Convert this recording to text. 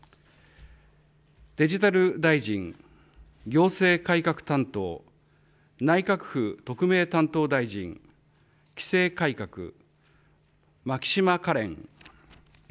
デジタル大臣、行政改革担当、内閣府特命担当大臣、規制改革、牧島かれん。